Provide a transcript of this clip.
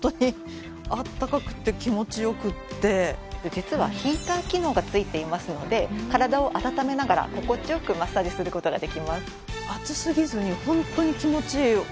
実はヒーター機能が付いていますので体を温めながら心地良くマッサージする事ができます